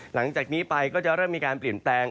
หลังจากนี้ไปก็จะเริ่มมีการเปลี่ยนแปลง